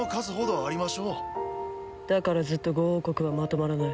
だからずっと５王国はまとまらない。